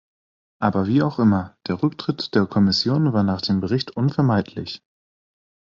Aber wie auch immer, der Rücktritt der Kommission war nach dem Bericht unvermeidlich.